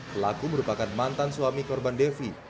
pelaku merupakan mantan suami korban devi